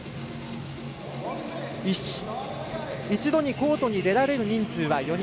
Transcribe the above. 一度にコートに出られる人数は４人。